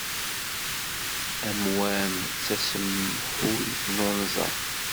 Amwan d tasemhuyt n unẓar.